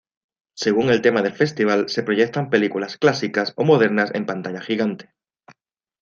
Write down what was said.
Según el tema del festival, se proyectan películas clásicas o modernas en pantalla gigante.